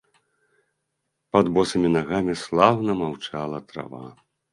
Пад босымі нагамі слаўна маўчала трава.